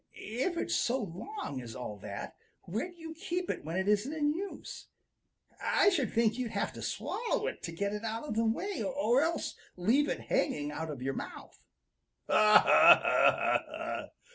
If it's so long as all that, where do you keep it when it isn't in use? I should think you'd have to swallow it to get it out of the way, or else leave it hanging out of your mouth." "Ha, ha, ha, ha, ha!"